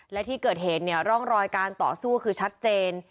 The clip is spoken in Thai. และที่เกิดเหตุเนี่ยร่องรอยการต่อสู้คือชัดเจน